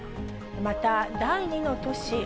また第２の都市